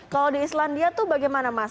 kalau di islandia itu bagaimana mas